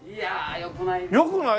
よくない？